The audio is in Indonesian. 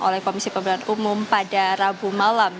oleh komisi pemilihan umum pada rabu malam